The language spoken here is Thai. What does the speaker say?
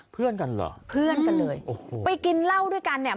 เพื่อนกันเหรอเพื่อนกันเลยโอ้โหไปกินเหล้าด้วยกันเนี่ย